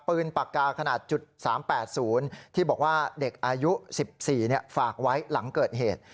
ปากกาขนาด๓๘๐ที่บอกว่าเด็กอายุ๑๔ฝากไว้หลังเกิดเหตุ